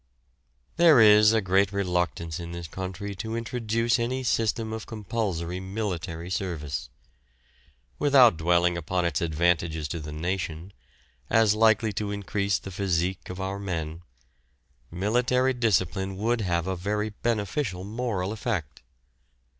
There is a great reluctance in this country to introduce any system of compulsory military service. Without dwelling upon its advantages to the nation, as likely to increase the physique of our men, military discipline would have a very beneficial moral effect.